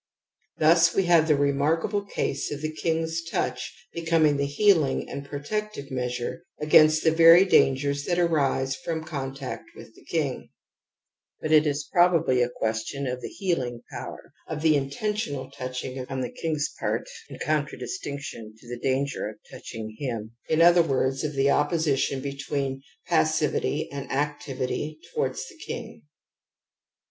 Thus we have the remarkable case of the ^mg^^ Jyucji^beconiing the healing and xaL^^ protective measiu e against the very dangers '^ that arise from contact with the king ; but it is probably a question of the healing power of the intentional touching on the king's part in con tradistinction to the danger of touching him, in other words, of the opposition between passivity and activity towards the king.